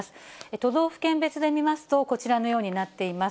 都道府県別で見ますと、こちらのようになっています。